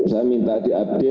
saya minta diupdate